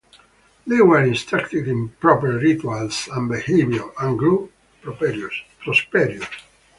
They were instructed in proper rituals and behavior, and grew prosperous.